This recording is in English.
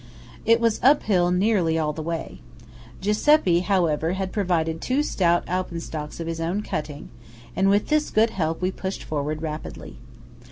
It was uphill nearly all the way. Giuseppe, however, had provided two stout alpenstocks of his own cutting, and with this good help we pushed forward rapidly.